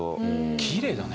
きれいだね。